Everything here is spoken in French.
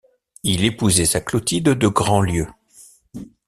il épousait sa Clotilde de Grandlieu.